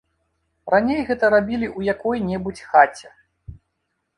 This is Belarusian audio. Раней гэта рабілі ў якой-небудзь хаце.